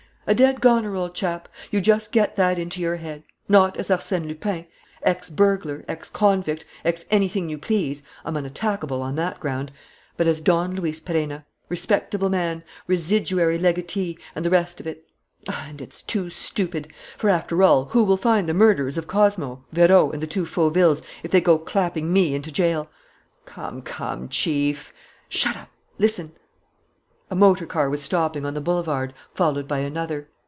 "A dead goner, old chap; you just get that into your head. Not as Arsène Lupin, ex burglar, ex convict, ex anything you please I'm unattackable on that ground but as Don Luis Perenna, respectable man, residuary legatee, and the rest of it. And it's too stupid! For, after all, who will find the murderers of Cosmo, Vérot, and the two Fauvilles, if they go clapping me into jail?" "Come, come, Chief " "Shut up! ... Listen!" A motor car was stopping on the boulevard, followed by another.